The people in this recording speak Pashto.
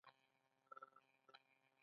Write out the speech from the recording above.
ایا ځان قوي احساسوئ؟